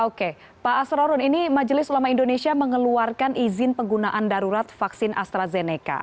oke pak asrorun ini majelis ulama indonesia mengeluarkan izin penggunaan darurat vaksin astrazeneca